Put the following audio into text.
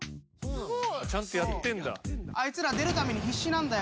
ちゃんとやってんだ。